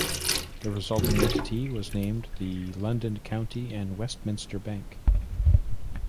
The resulting entity was named the London County and Westminster Bank.